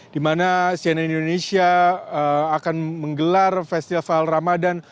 di mana cnn indonesia akan menggelar festival ramadan